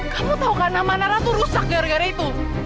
kamu tahu kan nama nara itu rusak gara gara itu